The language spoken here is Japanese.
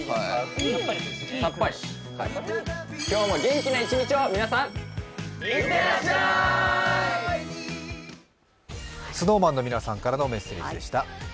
ＳｎｏｗＭａｎの皆さんからのメッセージでした。